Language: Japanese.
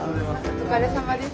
お疲れさまです。